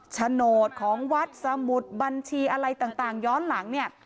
โฉนดของวัดสมุดบัญชีอะไรต่างย้อนหลังเนี่ย